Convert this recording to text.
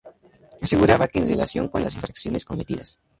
aseguraba que en relación con las infracciones cometidas